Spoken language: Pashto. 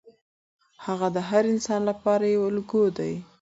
هغه د هر انسان لپاره یو الګو دی.